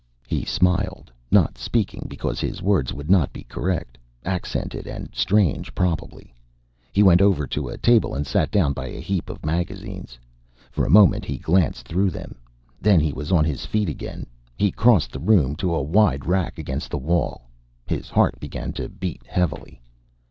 He smiled, not speaking because his words would not be correct; accented and strange, probably. He went over to a table and sat down by a heap of magazines. For a moment he glanced through them. Then he was on his feet again. He crossed the room to a wide rack against the wall. His heart began to beat heavily.